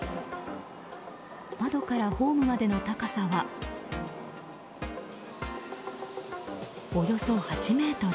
窓からホームまでの高さはおよそ８ｍ。